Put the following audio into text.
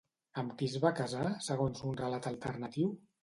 Amb qui es va casar, segons un relat alternatiu?